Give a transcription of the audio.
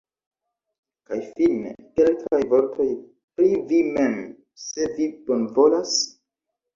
Kaj fine, kelkaj vortoj pri vi mem, se vi bonvolas?